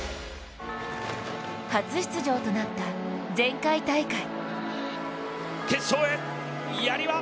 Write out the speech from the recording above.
初出場となった前回大会。